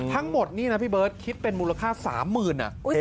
ทั้งหมดนี่น่ะพี่เบิร์ตคิดเป็นมูลค่าสามหมื่นอ่ะอุ้ยสามหมื่น